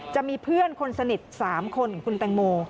จะมีเพื่อนคนสนิท๓คนคุณแตงโม